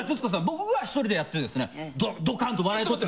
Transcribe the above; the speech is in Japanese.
僕が１人でやってですねドカンと笑いを取って。